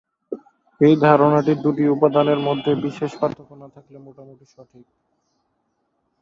এই ধারণাটি দুটি উপাদানের মধ্যে বিশেষ পার্থক্য না থাকলে মোটামুটি সঠিক।